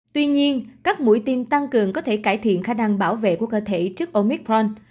tuy nhiên các mũi tiêm tăng cường có thể cải thiện khả năng bảo vệ của cơ thể trước omicron